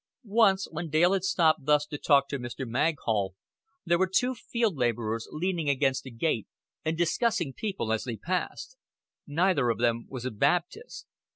Once, when Dale had stopped thus to talk to Mr. Maghull, there were two field laborers leaning against a gate and discussing people as they passed. Neither of them was a Baptist.